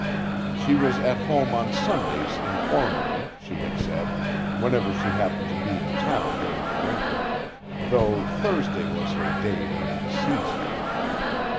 She was at home on Sundays informally, she had said, whenever she happened to be in town during the winter, though Thursday was her "day" during the season.